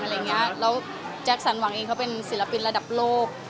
แล้วจัคซัลหวังซีก็เป็นศิลปินระดับโลก